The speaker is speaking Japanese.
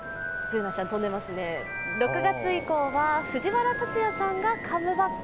６月以降は藤原竜也さんがカムバック。